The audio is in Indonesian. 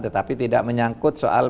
tetapi tidak menyangkut soal